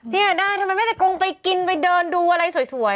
เสียดายทำไมไม่ไปกงไปกินไปเดินดูอะไรสวย